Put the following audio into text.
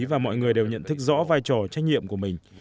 và mọi người đều nhận thức rõ vai trò trách nhiệm của mình